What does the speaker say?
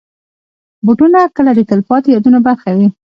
بوټونه کله د تلپاتې یادونو برخه وي.